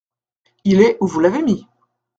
Il est où vous l'avez mis.